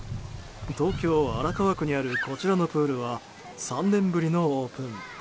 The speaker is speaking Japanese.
東京・荒川区にあるこちらのプールは３年ぶりのオープン。